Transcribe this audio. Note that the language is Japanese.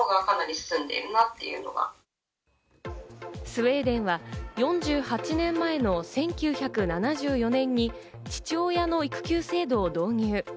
スウェーデンは４８年前の１９７４年に父親の育休制度を導入。